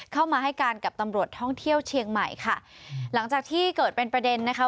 เข้ามาให้การกับตำรวจท่องเที่ยวเชียงใหม่ค่ะหลังจากที่เกิดเป็นประเด็นนะคะ